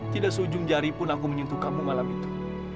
tidak seujung jari pun aku menyentuh kamu malam itu